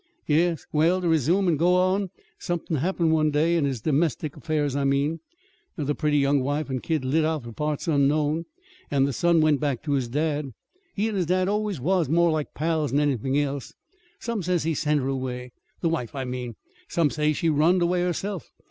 "Yes. Well, to resume and go on. Somethin' happened one day in his domestic affairs, I mean. The pretty young wife and kid lit out for parts unknown. And the son went back to his dad. (He and his dad always was more like pals than anythin' else.) Some says he sent her away the wife, I mean. Some says she runned away herself.